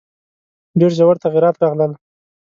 ډېر ژور تغییرات راغلل.